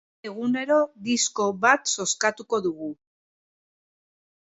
Egunero disko bat zozkatuko dugu.